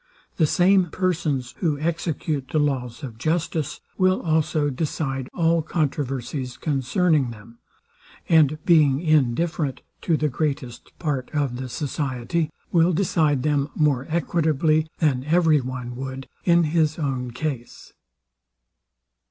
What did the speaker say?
The same persons, who execute the laws of justice, will also decide all controversies concerning them; and being indifferent to the greatest part of the society, will decide them more equitably than every one would in his own case.